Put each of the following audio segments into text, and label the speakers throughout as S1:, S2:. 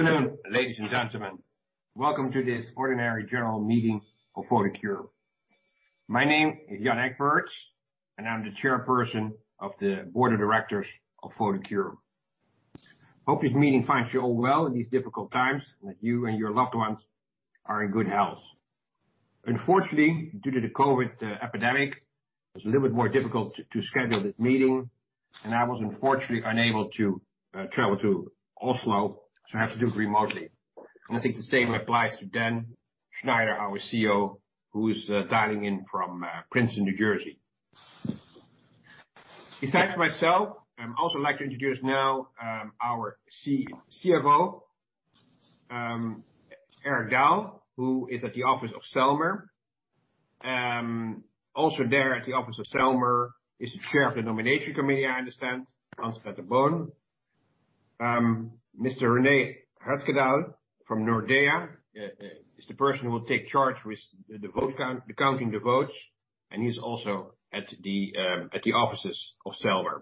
S1: Good afternoon, ladies and gentlemen. Welcome to this Ordinary General Meeting of Photocure. My name is Jan H. Egberts, and I'm the Chairperson of the Board of Directors of Photocure. I hope this meeting finds you all well in these difficult times, and that you and your loved ones are in good health. Unfortunately, due to the COVID-19 epidemic, it was a little bit more difficult to schedule this meeting, and I was unfortunately unable to travel to Oslo, so I have to do it remotely. And I think the same applies to Dan Schneider, our CEO, who is dialing in from Princeton, New Jersey. Besides myself, I'd also like to introduce now our CFO, Erik Dahl, who is at the office of Selmer. Also there at the office of Selmer is the Chair of the Nomination Committee, I understand, Hans Peter Bøhn. Mr. René Herskedal from Nordea is the person who will take charge with the counting of the votes, and he's also at the offices of Selmer.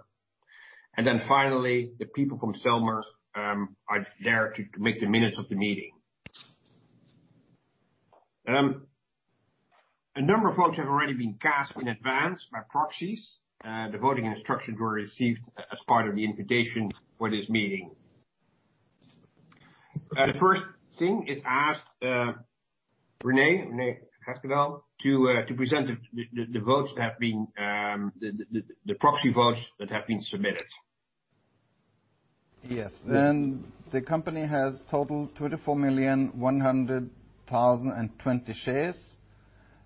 S1: Then finally, the people from Selmer are there to make the minutes of the meeting. A number of votes have already been cast in advance by proxies. The voting instructions were received as part of the invitation for this meeting. The first thing is to ask René Herskedal to present the votes that have been, the proxy votes that have been submitted.
S2: Yes, and the company has totaled 24,120 shares.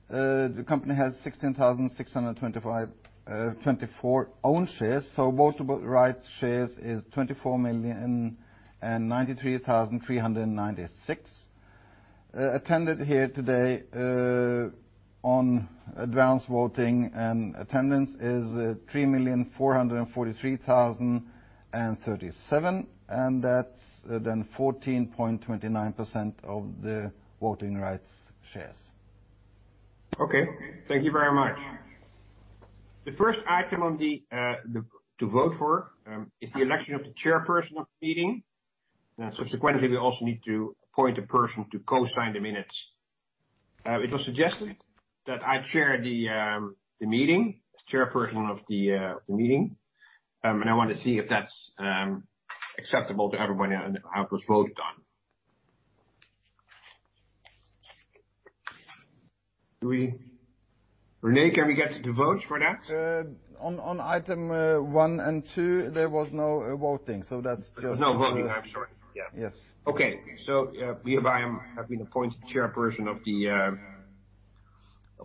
S2: The company has 16,624 own shares, so voting rights shares is 24,093,396. Attendance here today on advance voting and attendance is 3,443,037, and that's then 14.29% of the voting rights shares.
S1: Okay. Thank you very much. The first item to vote for is the election of the Chairperson of the meeting. Subsequently, we also need to appoint a person to co-sign the minutes. It was suggested that I chair the meeting as Chairperson of the meeting, and I want to see if that's acceptable to everyone on how it was voted on. René, can we get the votes for that?
S2: On item one and two, there was no voting, so that's just.
S1: There's no voting. I'm sorry.
S2: Yeah.
S1: Yes. Okay, so hereby, I have been appointed Chairperson of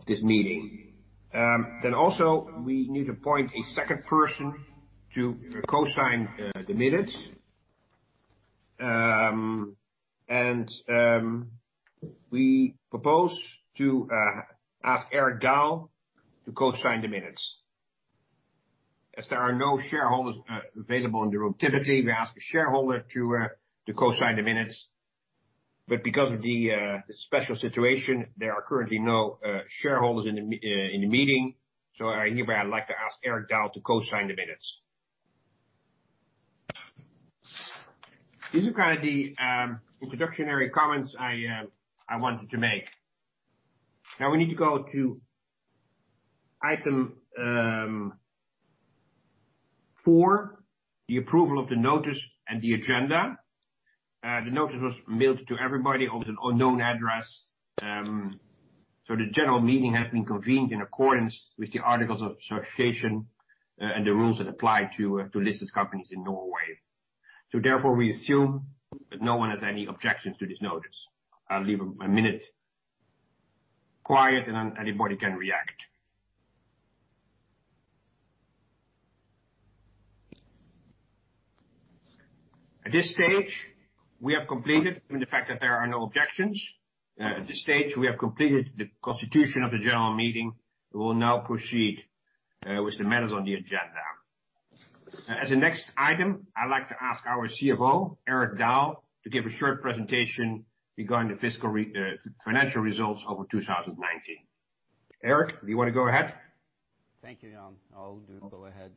S1: this meeting. Then, also, we need to appoint a second person to co-sign the minutes, and we propose to ask Erik Dahl to co-sign the minutes. As there are no shareholders available in the room, typically we ask a shareholder to co-sign the minutes, but because of the special situation, there are currently no shareholders in the meeting, so hereby, I'd like to ask Erik Dahl to co-sign the minutes. These are kind of the introductory comments I wanted to make. Now, we need to go to item four, the approval of the notice and the agenda. The notice was mailed to everybody at all known addresses, so the general meeting has been convened in accordance with the Articles of Association and the rules that apply to listed companies in Norway. So therefore, we assume that no one has any objections to this notice. I'll leave a minute quiet, and then anybody can react. At this stage, we have completed, given the fact that there are no objections, at this stage, we have completed the constitution of the general meeting. We will now proceed with the matters on the agenda. As the next item, I'd like to ask our CFO, Erik Dahl, to give a short presentation regarding the financial results over 2019. Erik, do you want to go ahead?
S3: Thank you, Jan. I'll go ahead,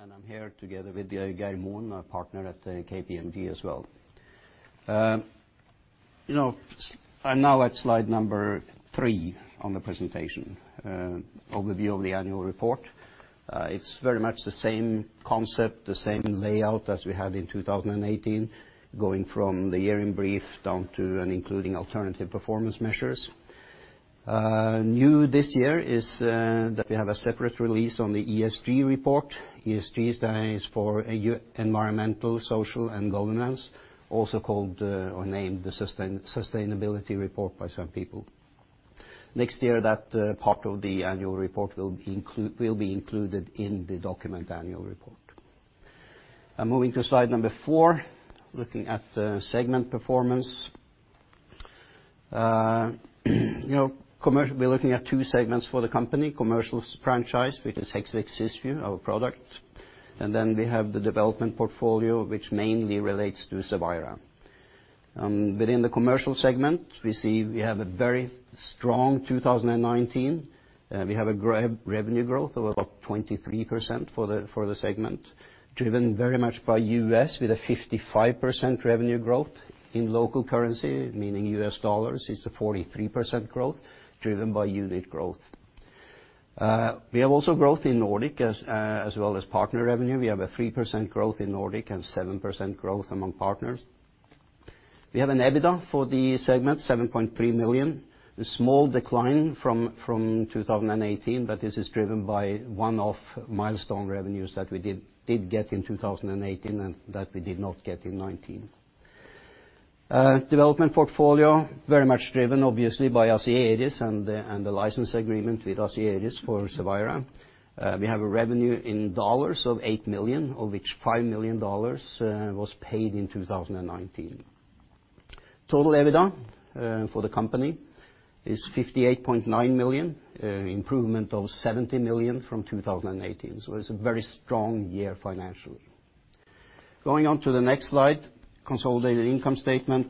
S3: and I'm here together with Geir Moen, our partner at KPMG as well. I'm now at slide number three on the presentation, overview of the annual report. It's very much the same concept, the same layout as we had in 2018, going from the year in brief down to and including alternative performance measures. New this year is that we have a separate release on the ESG report. ESG stands for Environmental, Social, and Governance, also called or named the Sustainability Report by some people. Next year, that part of the annual report will be included in the document Annual Report. I'm moving to slide number four, looking at segment performance. We're looking at two segments for the company: commercial franchise, which is Hexvix Cysview, our product, and then we have the development portfolio, which mainly relates to Cevira. Within the commercial segment, we see we have a very strong 2019. We have a revenue growth of about 23% for the segment, driven very much by US with a 55% revenue growth in local currency, meaning US dollars. It's a 43% growth driven by unit growth. We have also growth in Nordic as well as partner revenue. We have a 3% growth in Nordic and 7% growth among partners. We have an EBITDA for the segment, 7.3 million, a small decline from 2018, but this is driven by one-off milestone revenues that we did get in 2018 and that we did not get in 2019. Development portfolio, very much driven obviously by Asieris and the license agreement with Asieris for Cevira. We have a revenue in dollars of $8 million, of which $5 million was paid in 2019. Total EBITDA for the company is 58.9 million, improvement of 70 million from 2018, so it's a very strong year financially. Going on to the next slide, consolidated income statement.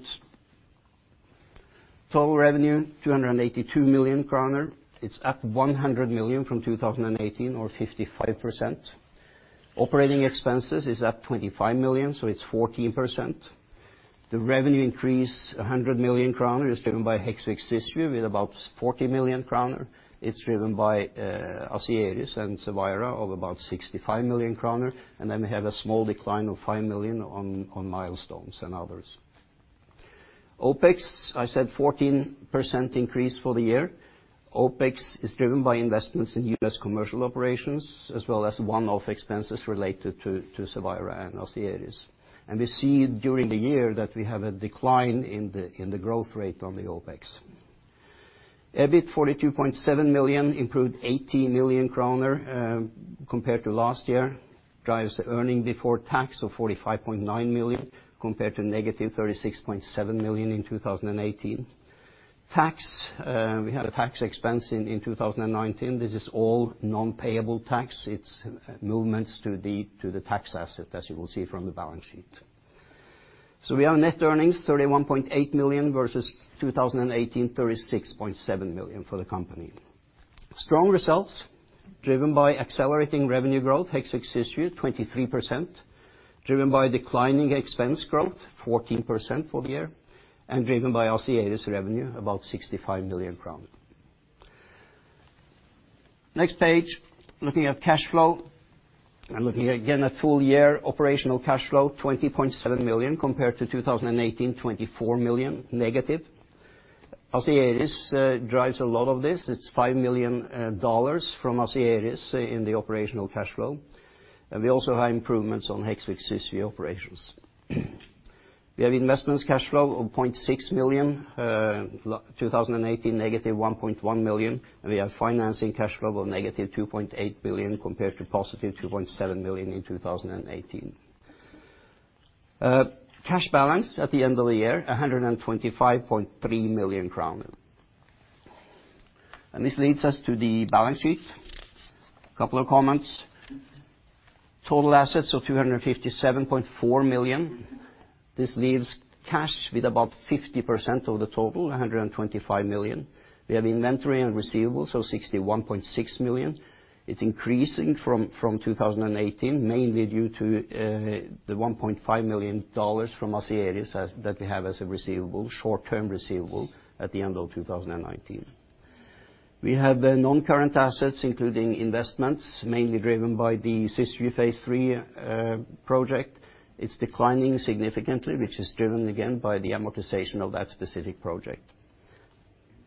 S3: Total revenue, 282 million kroner. It's up 100 million from 2018, or 55%. Operating expenses is up 25 million, so it's 14%. The revenue increase, 100 million kroner, is driven by Hexvix Cysview with about 40 million kroner. It's driven by Asieris and Cevira of about 65 million kroner, and then we have a small decline of five million on milestones and others. OPEX, I said 14% increase for the year. OPEX is driven by investments in US commercial operations as well as one-off expenses related to Cevira and Asieris. And we see during the year that we have a decline in the growth rate on the OPEX. EBIT, 42.7 million, improved 80 million kroner compared to last year. Drives the earnings before tax of 45.9 million compared to -36.7 million in 2018. Tax, we had a tax expense in 2019. This is all non-payable tax. It's movements to the tax asset, as you will see from the balance sheet. So we have net earnings, 31.8 million versus -36.7 million in 2018 for the company. Strong results, driven by accelerating revenue growth, Hexvix Cysview, 23%, driven by declining expense growth, 14% for the year, and driven by Asieris revenue, about 65 million crowns. Next page, looking at cash flow. I'm looking again at full year operational cash flow, 20.7 million compared to -24 million in 2018. Asieris drives a lot of this. It's $5 million from Asieris in the operational cash flow. And we also have improvements on Hexvix Cysview operations. We have investing cash flow of 0.6 million, 2018 negative 1.1 million, and we have financing cash flow of negative 2.8 million compared to positive 2.7 million in 2018. Cash balance at the end of the year, 125.3 million crown. This leads us to the balance sheet. A couple of comments. Total assets of 257.4 million. This leaves cash with about 50% of the total, 125 million. We have inventory and receivables, so 61.6 million. It's increasing from 2018, mainly due to the $1.5 million from Asieris that we have as a receivable, short-term receivable at the end of 2019. We have non-current assets, including investments, mainly driven by the Cysview Phase III project. It's declining significantly, which is driven again by the amortization of that specific project.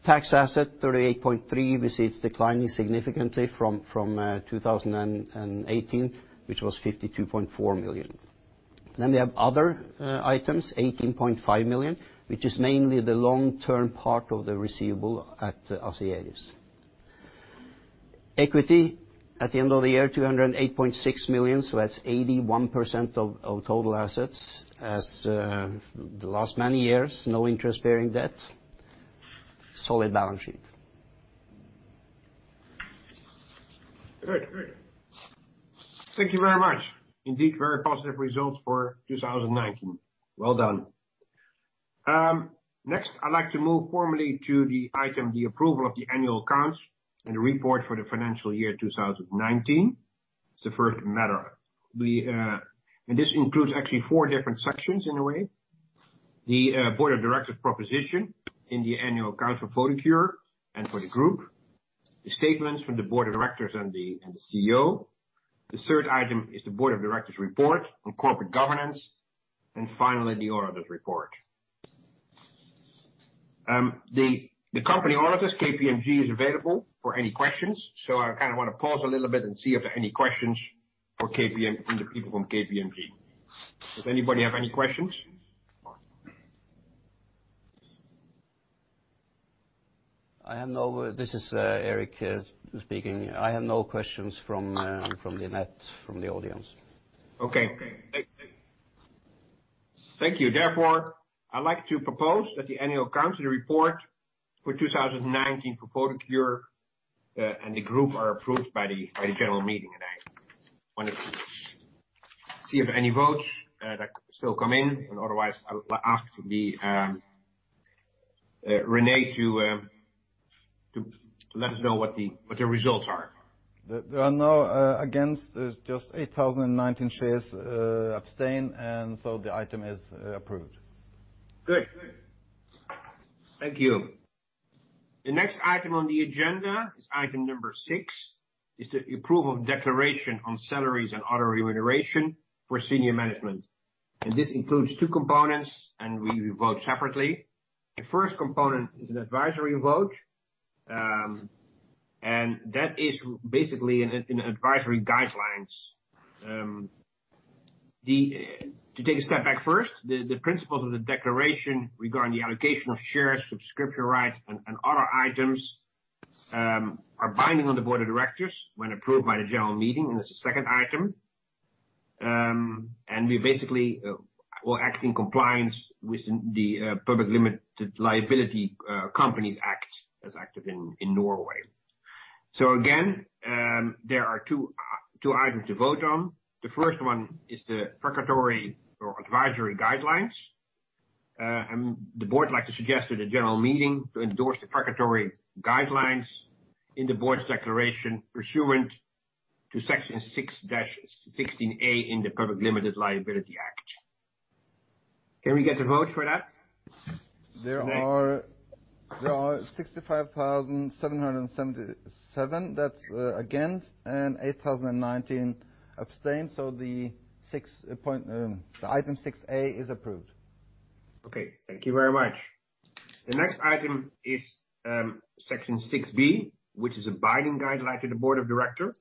S3: Tax asset, 38.3 million, we see it's declining significantly from 2018, which was 52.4 million. Then we have other items, 18.5 million, which is mainly the long-term part of the receivable at Asieris. Equity at the end of the year, 208.6 million, so that's 81% of total assets as the last many years, no interest-bearing debt. Solid balance sheet.
S1: Good. Good. Thank you very much. Indeed, very positive results for 2019. Well done. Next, I'd like to move formally to the item, the approval of the annual accounts and the report for the financial year 2019. It's the first matter. And this includes actually four different sections in a way: the Board of Directors proposition in the annual accounts for Photocure and for the group, the statements from the Board of Directors and the CEO, the third item is the Board of Directors report on corporate governance, and finally, the auditors report. The company auditors, KPMG, is available for any questions, so I kind of want to pause a little bit and see if there are any questions from the people from KPMG. Does anybody have any questions?
S3: This is Erik speaking. I have no questions from the audience.
S1: Okay. Thank you. Therefore, I'd like to propose that the annual accounts and the report for 2019 for Photocure and the group are approved by the general meeting. And I want to see if any votes still come in, and otherwise, I'll ask René to let us know what the results are.
S2: There are no against. There's just 8,019 shares abstain, and so the item is approved.
S1: Good. Thank you. The next item on the agenda is item number six. It's the approval of the declaration on salaries and other remuneration for senior management. And this includes two components, and we vote separately. The first component is an advisory vote, and that is basically in advisory guidelines. To take a step back first, the principles of the declaration regarding the allocation of shares, subscription rights, and other items are binding on the Board of Directors when approved by the general meeting, and it's the second item. And we basically are acting in compliance with the Public Limited Liability Companies Act that's active in Norway. So again, there are two items to vote on. The first one is the preparatory or advisory guidelines. The board would like to suggest to the general meeting to endorse the preparatory guidelines in the board's declaration pursuant to section 6-16A in the Public Limited Liability Companies Act. Can we get a vote for that?
S2: There are 65,777 that's against and 8,019 abstain, so item 6A is approved.
S1: Okay. Thank you very much. The next item is section 6B, which is a binding guideline to the Board of Directors.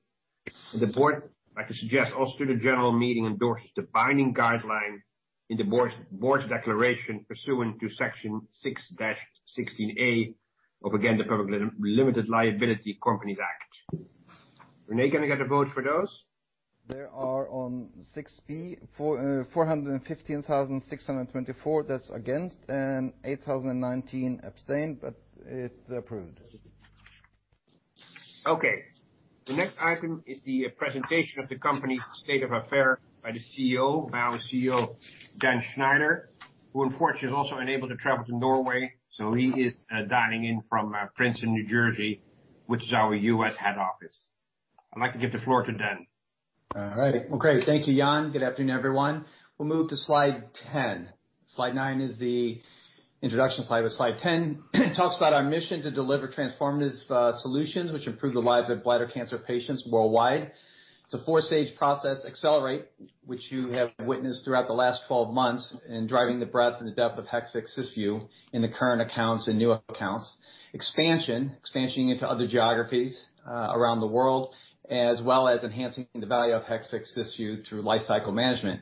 S1: And the board, I can suggest, also to the general meeting, endorses the binding guideline in the board's declaration pursuant to section 6-16A of, again, the Public Limited Liability Companies Act. René, can you get a vote for those?
S2: There are, on 6B, 415,624 that's against and 8,019 abstain, but it's approved.
S1: Okay. The next item is the presentation of the company's state of affairs by the CEO, now CEO Dan Schneider, who, unfortunately, is also unable to travel to Norway, so he is dialing in from Princeton, New Jersey, which is our US head office. I'd like to give the floor to Dan.
S4: All right. Well, great. Thank you, Jan. Good afternoon, everyone. We'll move to slide 10. Slide 9 is the introduction slide. Slide 10 talks about our mission to deliver transformative solutions which improve the lives of bladder cancer patients worldwide. It's a four-stage process, Accelerate, which you have witnessed throughout the last 12 months in driving the breadth and the depth of Hexvix Cysview in the current accounts and new accounts, expansion, expansion into other geographies around the world, as well as enhancing the value of Hexvix Cysview through lifecycle management.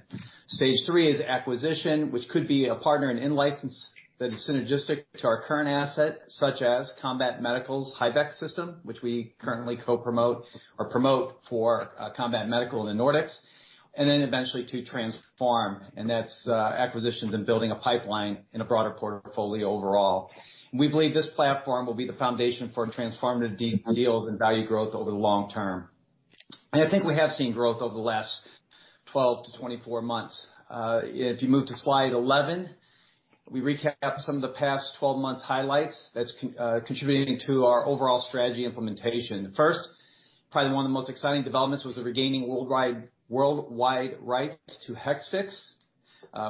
S4: Stage three is acquisition, which could be a partner and in-license that is synergistic to our current asset, such as Combat Medical's HIVEC system, which we currently co-promote or promote for Combat Medical in the Nordics, and then eventually to Transform, and that's acquisitions and building a pipeline in a broader portfolio overall. We believe this platform will be the foundation for transformative deals and value growth over the long term, and I think we have seen growth over the last 12 to 24 months. If you move to slide 11, we recap some of the past 12 months' highlights that's contributing to our overall strategy implementation. First, probably one of the most exciting developments was the regaining worldwide rights to Hexvix,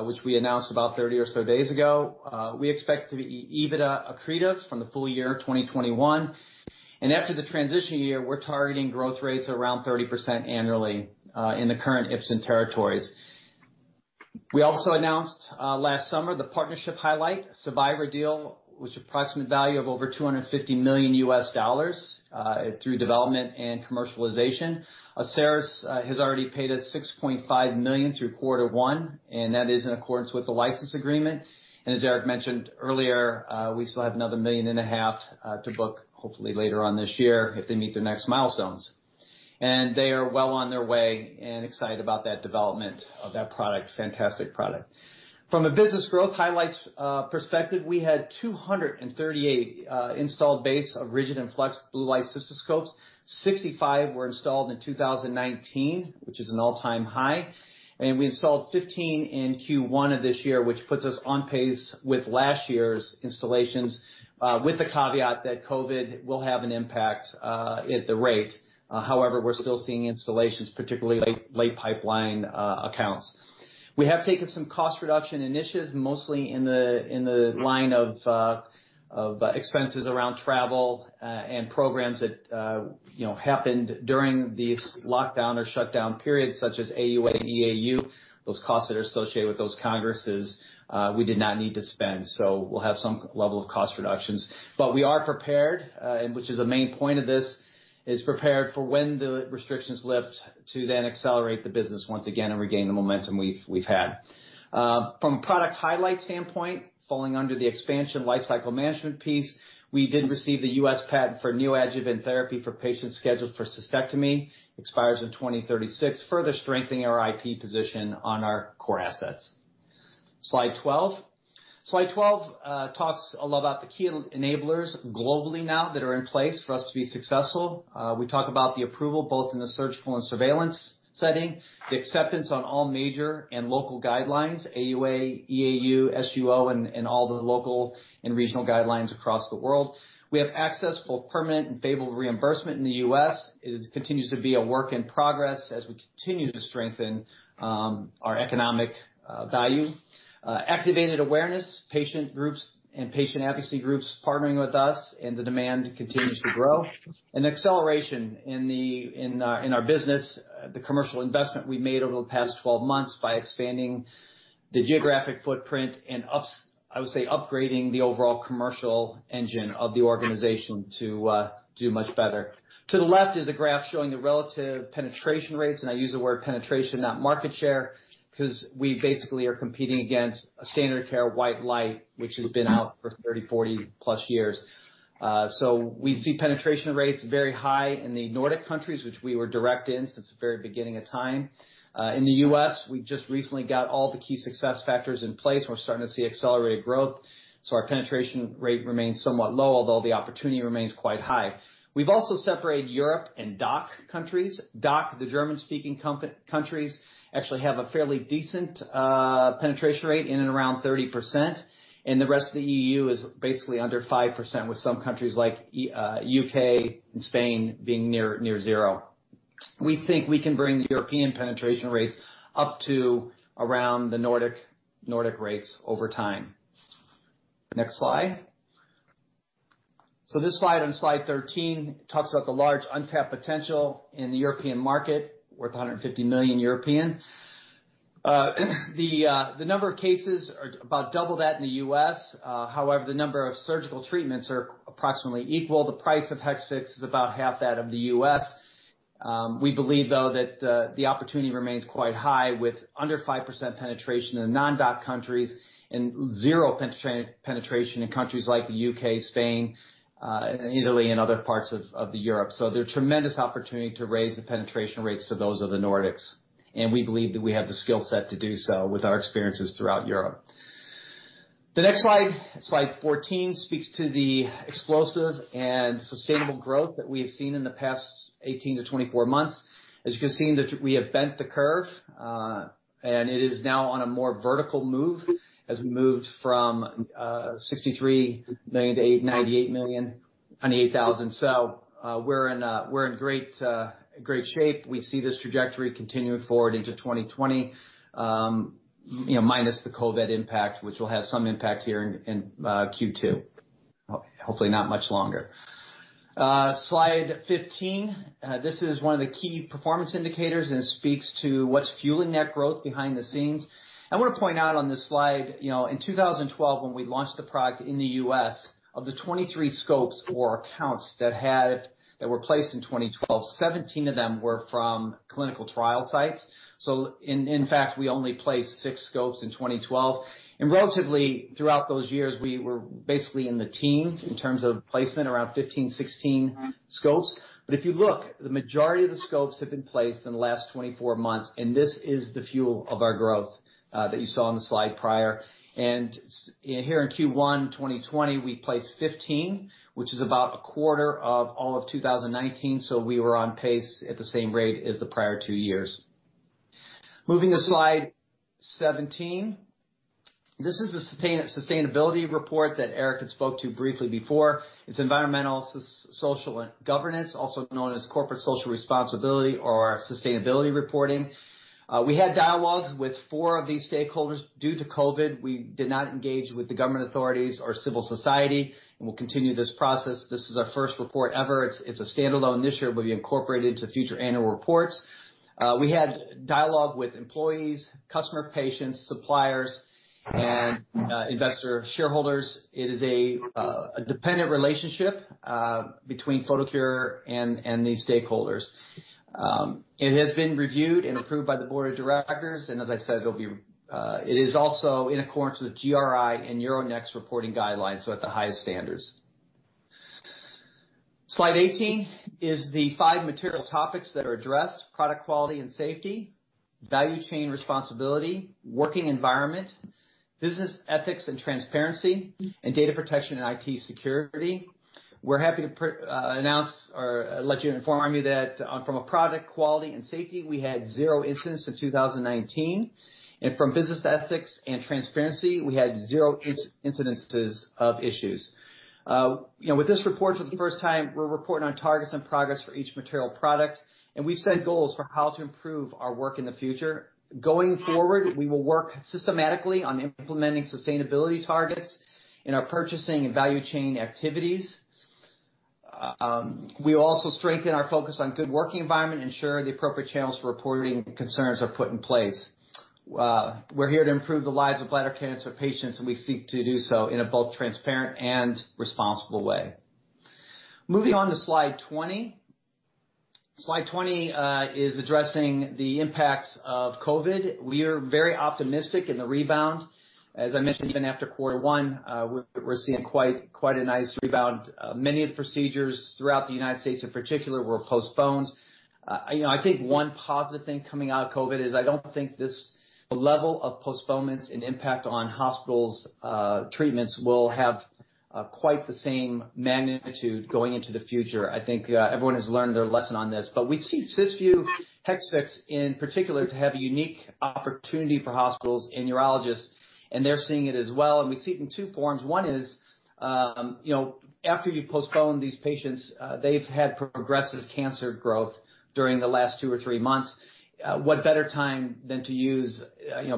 S4: which we announced about 30 or so days ago. We expect to be EBITDA accretive from the full year 2021, and after the transition year, we're targeting growth rates around 30% annually in the current Ipsen territories. We also announced last summer the partnership highlight, Cevira Deal, which is an approximate value of over $250 million through development and commercialization. Asieris has already paid us $6.5 million through quarter one, and that is in accordance with the license agreement. As Erik mentioned earlier, we still have another 1.5 million to book, hopefully later on this year if they meet their next milestones. They are well on their way and excited about that development of that product, fantastic product. From a business growth highlights perspective, we had 238 installed base of rigid and flexible blue light cystoscopes. 65 were installed in 2019, which is an all-time high. We installed 15 in Q1 of this year, which puts us on pace with last year's installations, with the caveat that COVID will have an impact at the rate. However, we're still seeing installations, particularly large pipeline accounts. We have taken some cost reduction initiatives, mostly in the line of expenses around travel and programs that happened during these lockdown or shutdown periods, such as AUA and EAU. Those costs that are associated with those congresses, we did not need to spend. So we'll have some level of cost reductions. But we are prepared, which is a main point of this, is prepared for when the restrictions lift to then accelerate the business once again and regain the momentum we've had. From a product highlight standpoint, falling under the expansion lifecycle management piece, we did receive the U.S. patent for neoadjuvant therapy for patients scheduled for cystectomy, expires in 2036, further strengthening our IP position on our core assets. Slide 12. Slide 12 talks a lot about the key enablers globally now that are in place for us to be successful. We talk about the approval both in the surgical and surveillance setting, the acceptance on all major and local guidelines, AUA, EAU, SUO, and all the local and regional guidelines across the world. We have access for permanent and favorable reimbursement in the U.S. It continues to be a work in progress as we continue to strengthen our economic value. Activated awareness, patient groups and patient advocacy groups partnering with us, and the demand continues to grow. And acceleration in our business, the commercial investment we've made over the past 12 months by expanding the geographic footprint and, I would say, upgrading the overall commercial engine of the organization to do much better. To the left is a graph showing the relative penetration rates, and I use the word penetration, not market share, because we basically are competing against a standard care white light, which has been out for 30, 40-plus years. So we see penetration rates very high in the Nordic countries, which we were direct in since the very beginning of time. In the U.S., we just recently got all the key success factors in place, and we're starting to see accelerated growth. So our penetration rate remains somewhat low, although the opportunity remains quite high. We've also separated Europe and DACH countries. DACH, the German-speaking countries, actually have a fairly decent penetration rate in and around 30%, and the rest of the EU is basically under 5%, with some countries like the U.K. and Spain being near zero. We think we can bring European penetration rates up to around the Nordic rates over time. Next slide. So this slide on slide 13 talks about the large untapped potential in the European market, worth 150 million. The number of cases are about double that in the U.S. However, the number of surgical treatments are approximately equal. The price of Hexvix is about half that of the U.S. We believe, though, that the opportunity remains quite high with under 5% penetration in non-DACH countries and zero penetration in countries like the U.K., Spain, and Italy, and other parts of Europe. So there's tremendous opportunity to raise the penetration rates to those of the Nordics, and we believe that we have the skill set to do so with our experiences throughout Europe. The next slide, slide 14, speaks to the explosive and sustainable growth that we have seen in the past 18-24 months. As you can see, we have bent the curve, and it is now on a more vertical move as we moved from 63 million-98 million, 98,000. So we're in great shape. We see this trajectory continuing forward into 2020, minus the COVID impact, which will have some impact here in Q2, hopefully not much longer. Slide 15. This is one of the key performance indicators and speaks to what's fueling that growth behind the scenes. I want to point out on this slide, in 2012, when we launched the product in the U.S., of the 23 scopes or accounts that were placed in 2012, 17 of them were from clinical trial sites. So in fact, we only placed six scopes in 2012. Relatively, throughout those years, we were basically in the teens in terms of placement, around 15, 16 scopes. If you look, the majority of the scopes have been placed in the last 24 months, and this is the fuel of our growth that you saw on the slide prior. Here in Q1 2020, we placed 15, which is about a quarter of all of 2019, so we were on pace at the same rate as the prior two years. Moving to slide 17. This is the sustainability report that Erik had spoke to briefly before. It's environmental, social, and governance, also known as corporate social responsibility or sustainability reporting. We had dialogues with four of these stakeholders. Due to COVID, we did not engage with the government authorities or civil society and will continue this process. This is our first report ever. It's a standalone initiative. We incorporate it into future annual reports. We had dialogue with employees, customer patients, suppliers, and investor shareholders. It is a dependent relationship between Photocure and these stakeholders. It has been reviewed and approved by the board of directors, and as I said, it is also in accordance with GRI and Euronext reporting guidelines, so at the highest standards. Slide 18 is the five material topics that are addressed: product quality and safety, value chain responsibility, working environment, business ethics and transparency, and data protection and IT security. We're happy to announce or let you inform you that from a product quality and safety, we had zero incidents in 2019, and from business ethics and transparency, we had zero incidences of issues. With this report for the first time, we're reporting on targets and progress for each material product, and we've set goals for how to improve our work in the future. Going forward, we will work systematically on implementing sustainability targets in our purchasing and value chain activities. We will also strengthen our focus on good working environment and ensure the appropriate channels for reporting concerns are put in place. We're here to improve the lives of bladder cancer patients, and we seek to do so in a both transparent and responsible way. Moving on to slide 20. Slide 20 is addressing the impacts of COVID. We are very optimistic in the rebound. As I mentioned, even after quarter one, we're seeing quite a nice rebound. Many of the procedures throughout the United States, in particular, were postponed. I think one positive thing coming out of COVID-19 is I don't think this level of postponements and impact on hospitals' treatments will have quite the same magnitude going into the future. I think everyone has learned their lesson on this. But we see Cysview, Hexvix in particular, to have a unique opportunity for hospitals and urologists, and they're seeing it as well. And we see it in two forms. One is after you've postponed these patients, they've had progressive cancer growth during the last two or three months. What better time than to use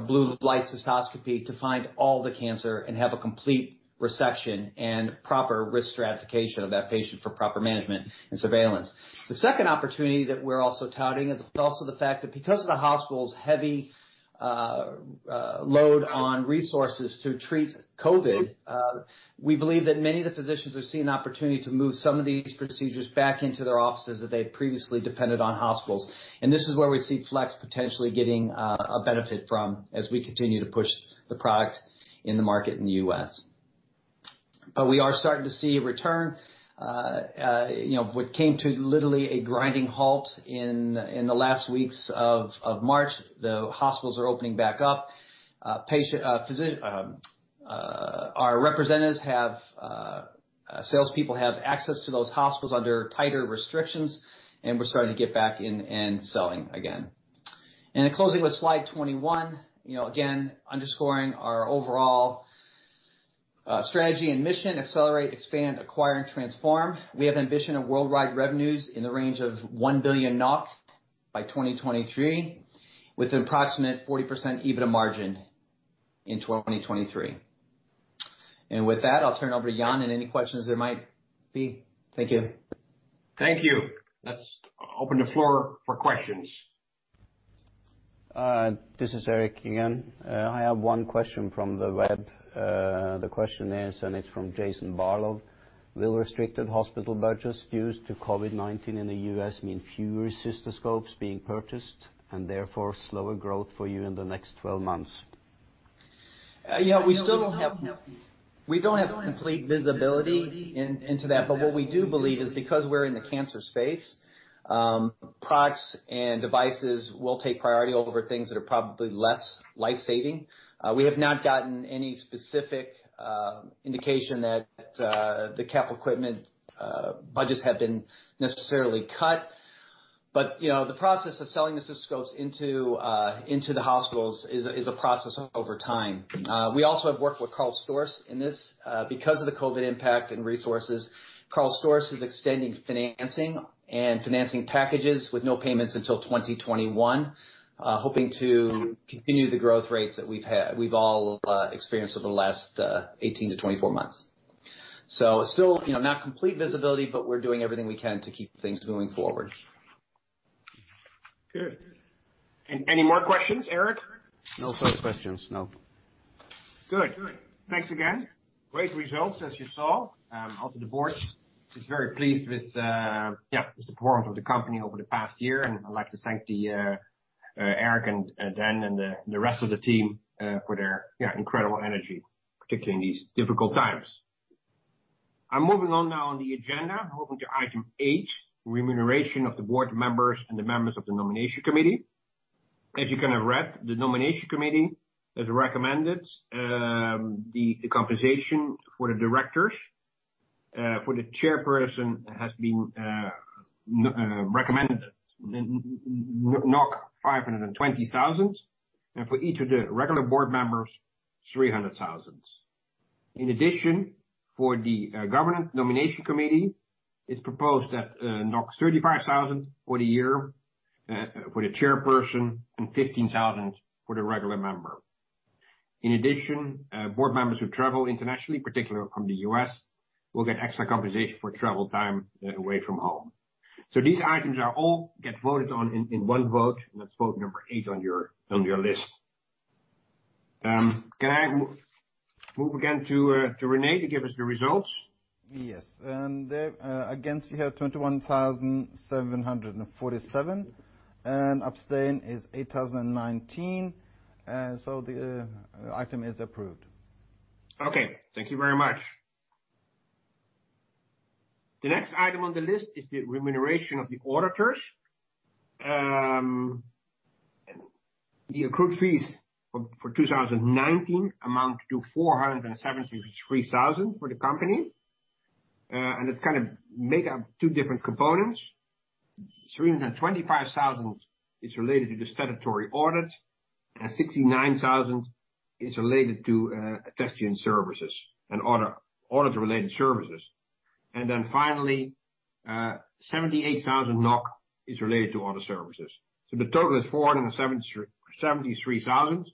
S4: blue light cystoscopy to find all the cancer and have a complete resection and proper risk stratification of that patient for proper management and surveillance? The second opportunity that we're also touting is also the fact that because of the hospital's heavy load on resources to treat COVID-19, we believe that many of the physicians are seeing the opportunity to move some of these procedures back into their offices that they've previously depended on hospitals. This is where we see Flex potentially getting a benefit from as we continue to push the product in the market in the US. We are starting to see a return. What came to literally a grinding halt in the last weeks of March, the hospitals are opening back up. Our representatives, salespeople, have access to those hospitals under tighter restrictions, and we're starting to get back in and selling again. Closing with slide 21, again, underscoring our overall strategy and mission: accelerate, expand, acquire, and transform. We have ambition of worldwide revenues in the range of 1 billion NOK by 2023, with an approximate 40% EBITDA margin in 2023. And with that, I'll turn it over to Jan and any questions there might be. Thank you.
S2: Thank you. Let's open the floor for questions. This is Erik again. I have one question from the web. The question is, and it's from Jason Barlow. Will restricted hospital budgets due to COVID-19 in the U.S. mean fewer cystoscopes being purchased and therefore slower growth for you in the next 12 months?
S4: Yeah, we still don't have complete visibility into that, but what we do believe is because we're in the cancer space, products and devices will take priority over things that are probably less life-saving. We have not gotten any specific indication that the capital equipment budgets have been necessarily cut. But the process of selling the cystoscopes into the hospitals is a process over time. We also have worked with Karl Storz in this. Because of the COVID impact and resources, Karl Storz is extending financing and financing packages with no payments until 2021, hoping to continue the growth rates that we've all experienced over the last 18 to 24 months. So still not complete visibility, but we're doing everything we can to keep things moving forward.
S2: Good. Any more questions, Erik? No further questions. No.
S1: Good. Thanks again. Great results, as you saw. Also the board is very pleased with the performance of the company over the past year, and I'd like to thank Erik and Dan and the rest of the team for their incredible energy, particularly in these difficult times. I'm moving on now on the agenda. I'm moving to item 8, remuneration of the board members and the members of the nomination committee. As you can have read, the nomination committee has recommended the compensation for the directors. For the chairperson, it has been recommended 520,000, and for each of the regular board members, 300,000. In addition, for the government nomination committee, it's proposed that 35,000 for the year, for the chairperson, and 15,000 for the regular member. In addition, board members who travel internationally, particularly from the US, will get extra compensation for travel time away from home. So these items are all get voted on in one vote, and that's vote number eight on your list. Can I move again to René to give us the results?
S2: Yes, and against, you have 21,747, and abstain is 8,019, so the item is approved.
S1: Okay. Thank you very much. The next item on the list is the remuneration of the auditors. The accrued fees for 2019 amount to 473,000 for the company. And it's kind of made up of two different components. 325,000 is related to the statutory audit, and 69,000 is related to testing services and audit-related services. And then finally, 78,000 NOK is related to audit services. So the total is 473,000,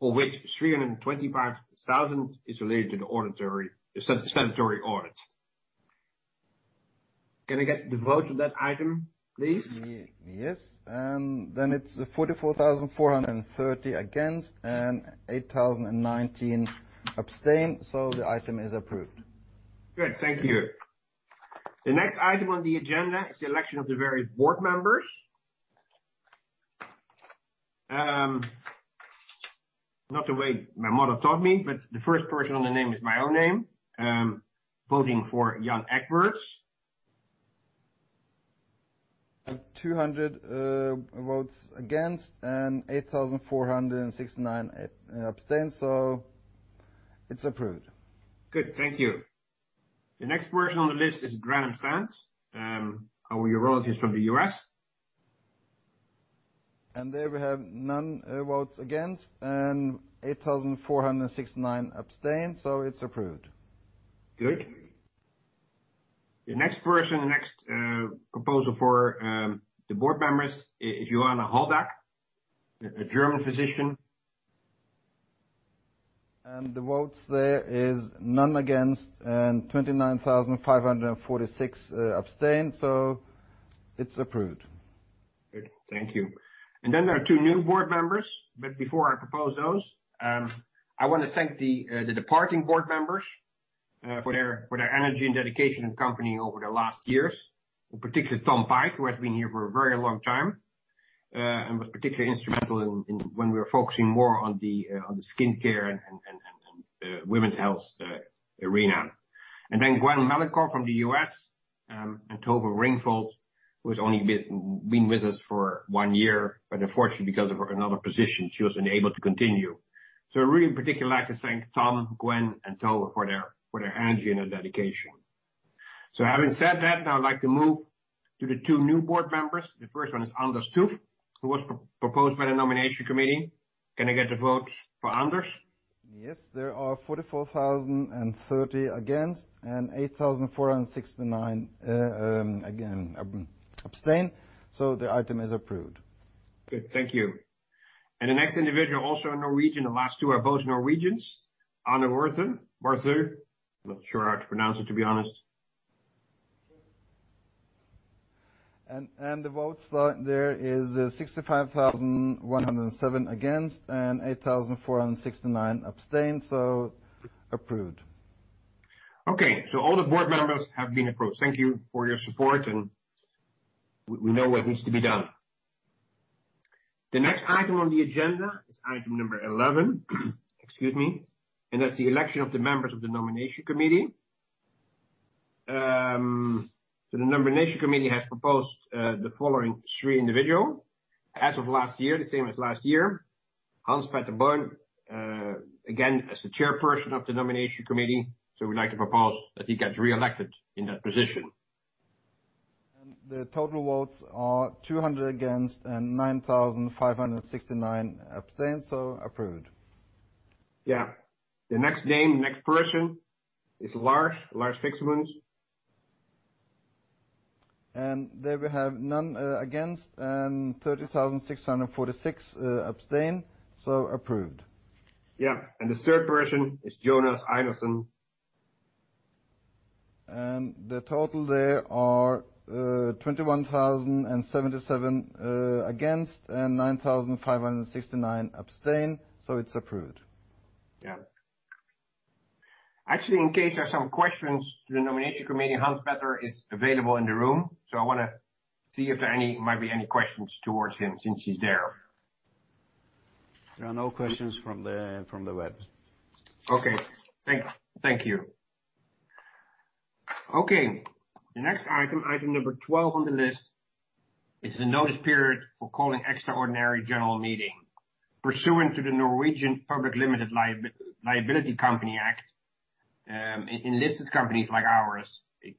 S1: of which 325,000 is related to the statutory audit. Can I get the vote on that item, please?
S2: Yes. And then it's 44,430 against and 8,019 abstain. So the item is approved.
S1: Good. Thank you. The next item on the agenda is the election of the Board members. Not the way my mother taught me, but the first person on the name is my own name, voting for Jan H. Egberts.
S2: 200 votes against and 8,469 abstain. So it's approved.
S1: Good. Thank you. The next person on the list is Grannum R. Sant, our urologist from the U.S.
S2: And there we have no votes against and 8,469 abstain. So it's approved.
S1: Good. The next person, next proposal for the board members is Johanna Holldack, a German physician.
S2: And the votes there is none against and 29,546 abstain. So it's approved.
S1: Good. Thank you. And then there are two new board members, but before I propose those, I want to thank the departing board members for their energy and dedication to the company over the last years, particularly Tom Pike, who has been here for a very long time and was particularly instrumental when we were focusing more on the skincare and women's health arena. And then Gwen Melincoff from the U.S. and Tove Andersen, who has only been with us for one year, but unfortunately, because of another position, she was unable to continue. So I really particularly like to thank Tom, Gwen, and Tove for their energy and their dedication. So having said that, I'd like to move to the two new board members. The first one is Anders Tuv, who was proposed by the nomination committee. Can I get the vote for Anders?
S2: Yes. There are 44,030 against and 8,469 abstain. So the item is approved.
S1: Good. Thank you. And the next individual also a Norwegian. The last two are both Norwegians. Anne Worsøe. Not sure how to pronounce it, to be honest.
S2: The votes there is 65,107 against and 8,469 abstain. Approved.
S1: Okay. So all the board members have been approved. Thank you for your support, and we know what needs to be done. The next item on the agenda is item number 11. Excuse me. And that's the election of the members of the nomination committee. So the nomination committee has proposed the following three individuals. As of last year, the same as last year, Hans Peter Bøhn, again, as the chairperson of the nomination committee. So we'd like to propose that he gets reelected in that position.
S2: The total votes are 200 against and 9,569 abstain. Approved.
S1: Yeah. The next name, next person is Lars Viksmoen.
S2: And there we have none against and 30,646 abstain. So approved.
S1: Yeah, and the third person is Jonas Einarsson.
S2: And the total there are 21,077 against and 9,569 abstain. So it's approved.
S1: Yeah. Actually, in case there are some questions, the nomination committee, Hans Peter Bøhn, is available in the room. So I want to see if there might be any questions towards him since he's there.
S2: There are no questions from the web.
S1: Okay. Thank you. Okay. The next item, item number 12 on the list, is the notice period for calling extraordinary general meeting. Pursuant to the Norwegian Public Limited Liability Companies Act, listed companies like ours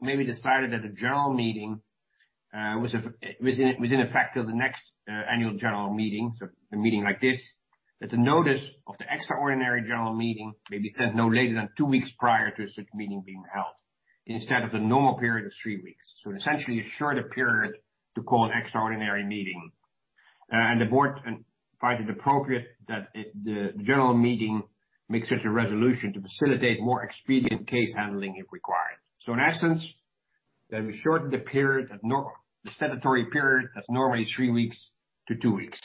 S1: may decide that the general meeting is in effect until the next annual general meeting, so a meeting like this, that the notice of the extraordinary general meeting may be sent no later than two weeks prior to such meeting being held instead of the normal period of three weeks. So essentially, a shorter period to call an extraordinary meeting. And the board finds it appropriate that the general meeting makes such a resolution to facilitate more expedient case handling if required. So in essence, that we shorten the period, the statutory period, that's normally three weeks to two weeks.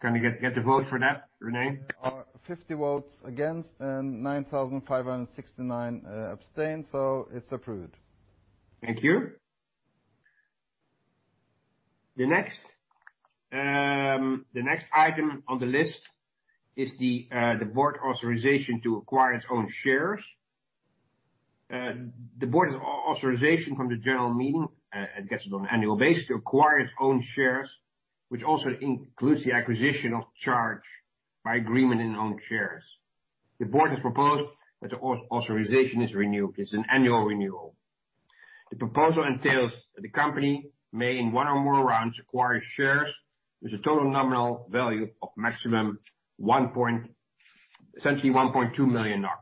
S1: Can I get the vote for that, René?
S2: 50 votes against and 9,569 abstain, so it's approved.
S1: Thank you. The next item on the list is the board authorization to acquire its own shares. The board's authorization from the general meeting, it gets it on an annual basis, to acquire its own shares, which also includes the acquisition of charge by agreement in own shares. The board has proposed that the authorization is renewed. It's an annual renewal. The proposal entails that the company may, in one or more rounds, acquire shares with a total nominal value of essentially 1.2 million NOK.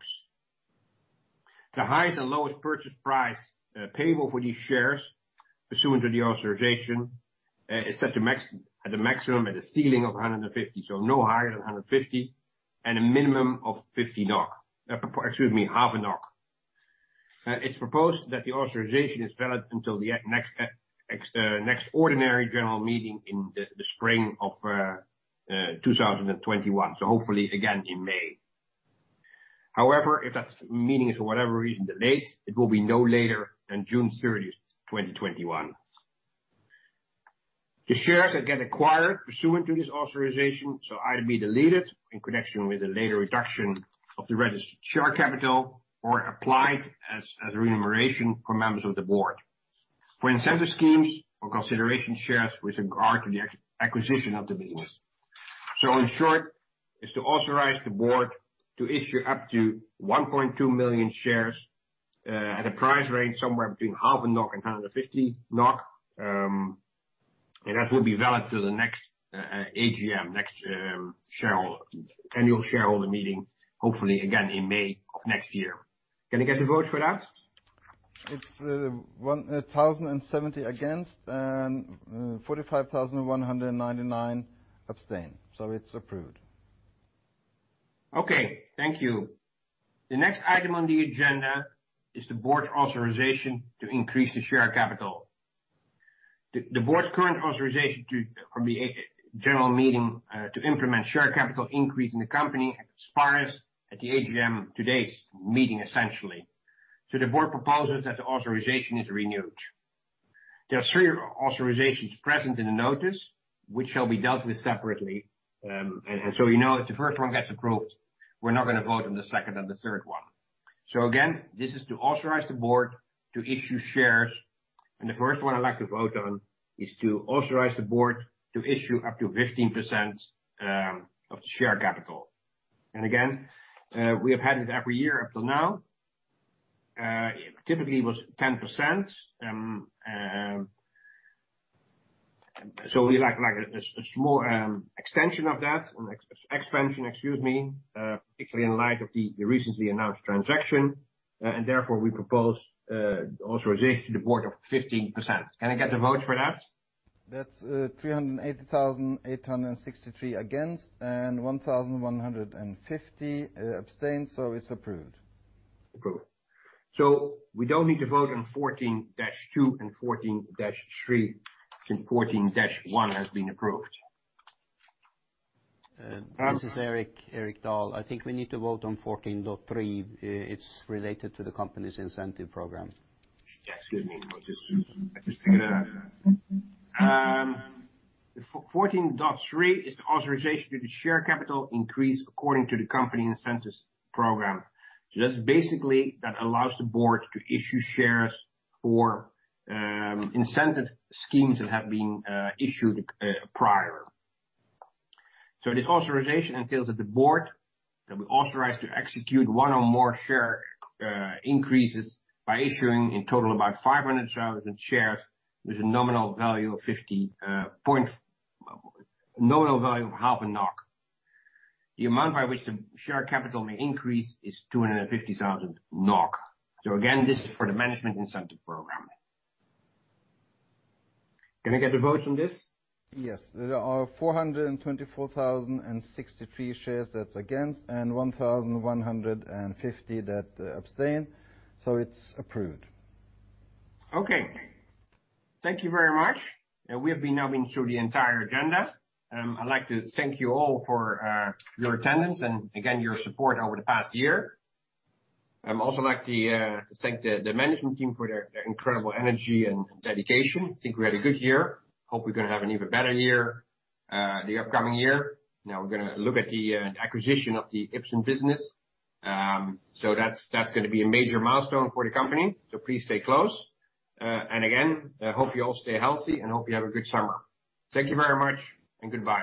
S1: The highest and lowest purchase price payable for these shares, pursuant to the authorization, is set at a maximum at a ceiling of 150, so no higher than 150, and a minimum of 50 NOK. Excuse me, NOK 0.5. It's proposed that the authorization is valid until the next ordinary general meeting in the spring of 2021, so hopefully again in May. However, if that meeting is, for whatever reason, delayed, it will be no later than June 30, 2021. The shares that get acquired pursuant to this authorization shall either be deleted in connection with a later reduction of the registered share capital or applied as remuneration for members of the board for incentive schemes or consideration shares with regard to the acquisition of the business. So in short, it's to authorize the board to issue up to 1.2 million shares at a price range somewhere between NOK 0.5 and 150 NOK. And that will be valid till the next AGM, next annual shareholder meeting, hopefully again in May of next year. Can I get the vote for that?
S2: It's 1,070 against and 45,199 abstain, so it's approved.
S1: Okay. Thank you. The next item on the agenda is the board's authorization to increase the share capital. The board's current authorization from the general meeting to implement share capital increase in the company as far as at the AGM, today's meeting, essentially, so the board proposes that the authorization is renewed. There are three authorizations present in the notice, which shall be dealt with separately, and so we know if the first one gets approved, we're not going to vote on the second and the third one, so again, this is to authorize the board to issue shares, and the first one I'd like to vote on is to authorize the board to issue up to 15% of the share capital, and again, we have had it every year up till now. Typically, it was 10%. We'd like a small extension of that, an expansion, excuse me, particularly in light of the recently announced transaction. Therefore, we propose authorization to the board of 15%. Can I get the vote for that?
S2: That's 380,863 against and 1,150 abstain. So it's approved.
S1: Approved. So we don't need to vote on 14-2 and 14-3 since 14-1 has been approved.
S3: This is Erik Dahl. I think we need to vote on 14.3. It's related to the company's incentive program.
S1: Excuse me. I just figured it out. 14.3 is the authorization to the share capital increase according to the company incentives program. So that's basically that allows the board to issue shares for incentive schemes that have been issued prior. So this authorization entails that the board will be authorized to execute one or more share increases by issuing in total about 500,000 shares with a nominal value of 50, a nominal value of 0.5 NOK. The amount by which the share capital may increase is 250,000 NOK. So again, this is for the management incentive program. Can I get the votes on this?
S2: Yes. There are 424,063 shares that's against and 1,150 that abstain. So it's approved.
S1: Okay. Thank you very much. We have now been through the entire agenda. I'd like to thank you all for your attendance and, again, your support over the past year. I'd also like to thank the management team for their incredible energy and dedication. I think we had a good year. Hope we're going to have an even better year the upcoming year. Now we're going to look at the acquisition of the Ipsen business. So that's going to be a major milestone for the company. So please stay close. And again, hope you all stay healthy and hope you have a good summer. Thank you very much and goodbye.